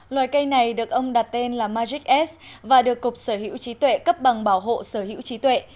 loài cây này được ông đặt tên là magics và được cục sở hữu trí tuệ cấp bằng bảo hộ sở hữu trí tuệ